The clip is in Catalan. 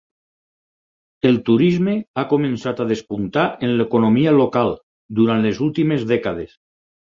El turisme ha començat a despuntar en l'economia local durant les últimes dècades.